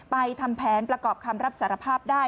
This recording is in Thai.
ทำแผนประกอบคำรับสารภาพได้